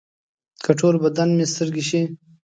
که ټول بدن مې سترګې شي.